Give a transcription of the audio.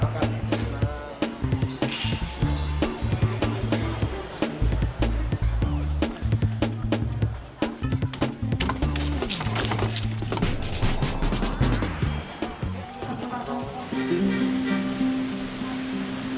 kita berapa kali